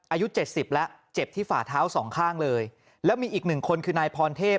อายุเจ็ดสิบแล้วเจ็บที่ฝ่าเท้าสองข้างเลยแล้วมีอีกหนึ่งคนคือนายพรเทพ